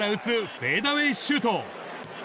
フェイドアウェイシュート。